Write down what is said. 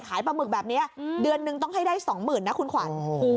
ปลาหมึกแบบนี้เดือนนึงต้องให้ได้๒๐๐๐นะคุณขวัญ